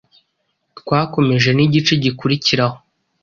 Twakomeje n’igice gikurikiraho